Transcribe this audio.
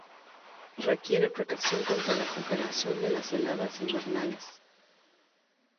Requiere protección contra la congelación de las heladas invernales.